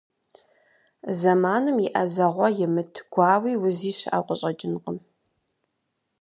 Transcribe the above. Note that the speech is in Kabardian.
Зэманым и Ӏэзэгъуэ имыт гуауи узи щыӀэу къыщӀэкӀынкъым.